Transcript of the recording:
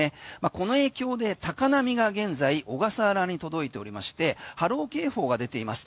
この影響で高波が現在小笠原に届いておりまして波浪警報が出ています。